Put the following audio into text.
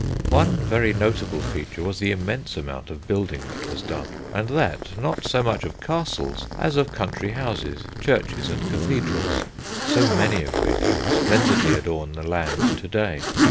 One very notable feature was the immense amount of building that was done, and that not so much of castles, as of country houses, churches, and cathedrals, so many of which splendidly adorn the land to day.